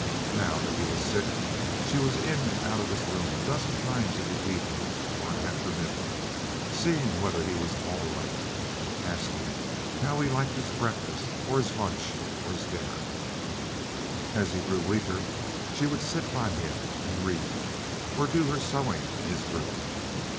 Now that he was sick, she was in and out of his room a dozen times in an evening or an afternoon, seeing whether he was "all right," asking how he liked his breakfast, or his lunch, or his dinner. As he grew weaker she would sit by him and read, or do her sewing in his room.